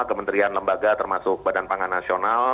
kementerian lembaga termasuk badan pangan nasional